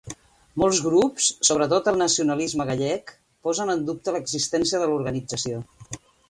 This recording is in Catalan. Molts grups, sobretot el nacionalisme gallec, posen en dubte l'existència de l'organització.